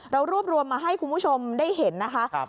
เรารวบรวมมาให้คุณผู้ชมได้เห็นนะคะ